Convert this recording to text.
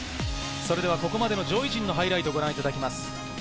それでは、ここまでの上位陣のハイライトをご覧いただきます。